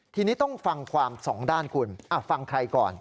ทีนี้ต้องฟังความสองด้านคุณฟังใครก่อน